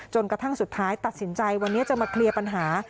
กระทั่งสุดท้ายตัดสินใจวันนี้จะมาเคลียร์ปัญหา